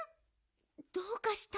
どうかした？